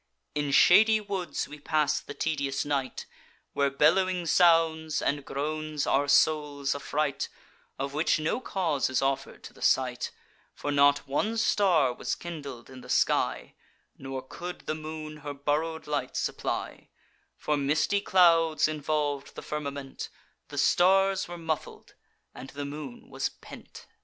In shady woods we pass the tedious night, Where bellowing sounds and groans our souls affright, Of which no cause is offer'd to the sight; For not one star was kindled in the sky, Nor could the moon her borrow'd light supply; For misty clouds involv'd the firmament, The stars were muffled, and the moon was pent.